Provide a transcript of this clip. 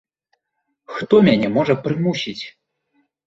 Хто мяне можа прымусіць?